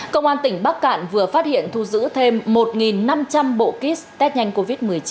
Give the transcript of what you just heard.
công an tỉnh bắc cạn vừa phát hiện thu giữ thêm một năm trăm linh bộ kit test nhanh covid một mươi chín